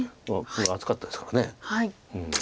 黒が厚かったですから。